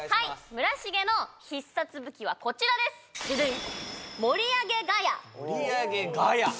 村重の必殺武器はこちらですデデン！